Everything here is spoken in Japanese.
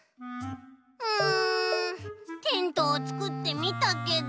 うんテントをつくってみたけど。